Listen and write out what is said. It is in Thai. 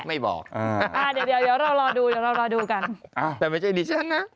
อ่าเดี๋ยวเรารอดูกันแต่ไม่ใช่อีดิชันนะ